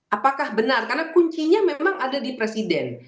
apakah benar karena kuncinya memang ada di presiden